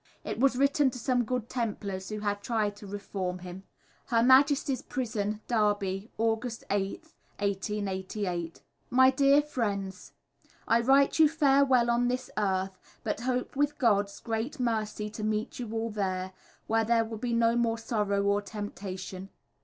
It was written to some Good Templars who had tried to reform him. H.M. Prison, Derby, August 8th, 1888. My Dear Friends, I write you farewell on this earth, but hope with gods great mercy to meet you all there, were there will be no more sorrow or temptation.